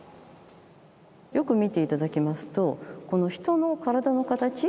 よく見て頂きますと人の体の形。